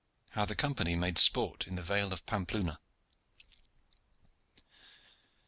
HOW THE COMPANY MADE SPORT IN THE VALE OF PAMPELUNA.